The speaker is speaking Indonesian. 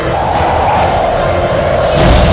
amin ya rukh alamin